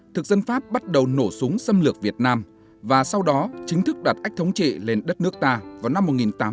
thực dân pháp bắt đầu nổ súng xâm lược việt nam và sau đó chính thức đặt ách thống trị lên đất nước ta vào năm một nghìn chín trăm tám mươi